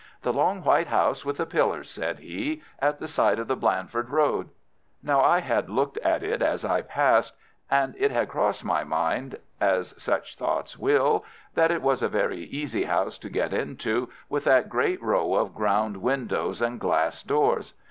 "The long white house with the pillars," said he. "At the side of the Blandford Road." Now I had looked at it as I passed, and it had crossed my mind, as such thoughts will, that it was a very easy house to get into with that great row of ground windows and glass doors.